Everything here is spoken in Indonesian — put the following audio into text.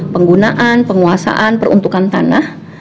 penggunaan penguasaan peruntukan tanah